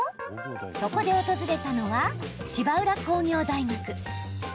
そこで訪れたのは芝浦工業大学。